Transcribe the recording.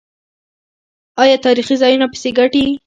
آیا تاریخي ځایونه پیسې ګټي؟